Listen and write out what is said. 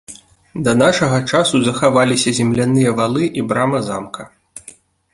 Да нашага часу захаваліся земляныя валы і брама замка.